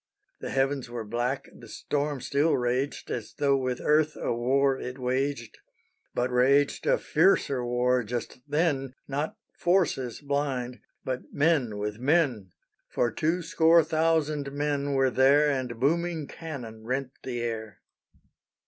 The heavens were black, the storm still raged, As tho' with earth a war it waged, But raged a fiercer war just then, Not forces blind, but men with men; For two score thousand men were there; And booming cannon rent the air.